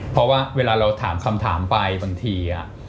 เพราะว่าเวลาเราถามคำถามไปบางที